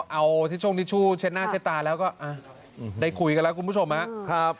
เอาทิชช่วงทิชชู่เช็ดหน้าเช็ดตาแล้วก็ได้คุยกันแล้วคุณผู้ชมครับ